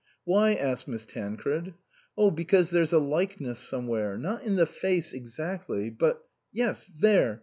" Why ?" asked Miss Tancred. " Oh, because there's a likeness somewhere. Not in the face exactly, but yes, there